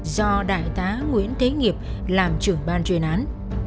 do đại tá nguyễn thế nghiệp làm trưởng ban chuyên án